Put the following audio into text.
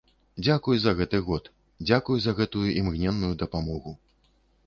Дзякуй за гэты год, дзякуй за гэтую імгненную дапамогу.